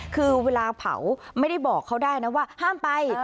คือเวลาเผาไม่ได้บอกเขาได้นะว่าห้ามไป